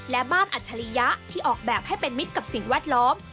และบ้านอัจฉริยะที่ออกแบบให้เป็นมิตรกับสิ่งแวดล้อม